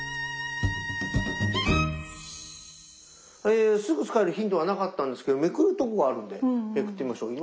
えすぐ使えるヒントはなかったんですけどめくるところがあるのでめくってみましょう。